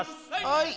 はい。